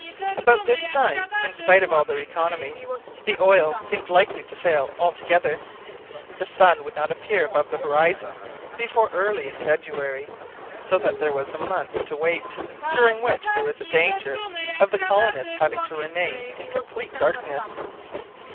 About this time, in spite of all their economy, the oil seemed likely to fail altogether. The sun would not appear above the horizon before early in February, so that there was a month to wait, during which there was a danger of the colonists having to remain in complete darkness.